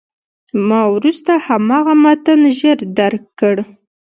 ما وروسته هماغه متن ژر درک کړ.